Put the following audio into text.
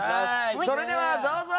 それではどうぞ！